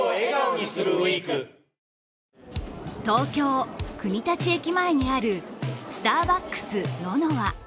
東京・国立駅前にあるスターバックスｎｏｎｏｗａ。